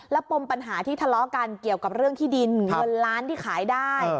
ปมปัญหาที่ทะเลาะกันเกี่ยวกับเรื่องที่ดินเงินล้านที่ขายได้